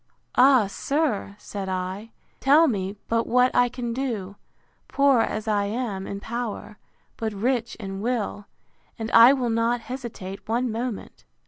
Ah, sir! said I, tell me but what I can do, poor as I am in power, but rich in will; and I will not hesitate one moment.